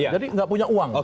jadi gak punya uang